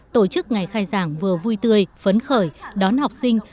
tổ chức ngày khai giảng vừa vui tươi phấn khởi đón học sinh